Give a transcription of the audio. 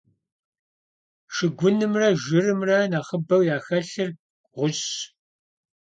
Шыгунымрэ жырымрэ нэхъыбэу яхэлъыр гъущӀщ.